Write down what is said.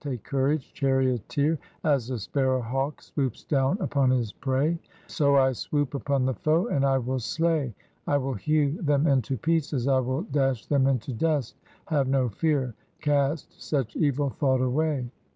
take courage, charioteer, As a sparrow hawk swoops down upon his prey, So I swoop upon the foe, and I will slay, I will hew them into pieces, I will dash them into dust; Have no fear, Cast such evil thought away.